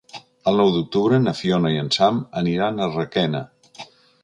El nou d'octubre na Fiona i en Sam aniran a Requena.